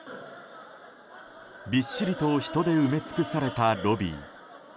びっしりと人で埋め尽くされたロビー。